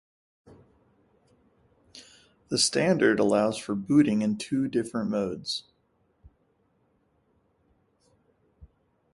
The standard allows for booting in two different modes.